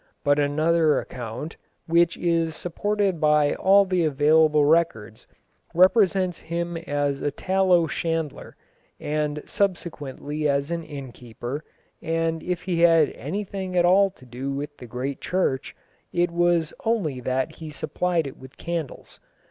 But another account, which is supported by all the available records, represents him as a tallow chandler, and subsequently as an innkeeper, and if he had anything at all to do with the great church, it was only that he supplied it with candles.